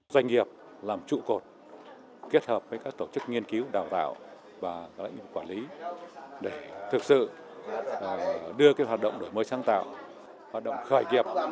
doanh nghiệp làm trụ cột kết hợp với các tổ chức nghiên cứu đào tạo và quản lý để thực sự đưa hoạt động đổi mới sáng tạo hoạt động khởi nghiệp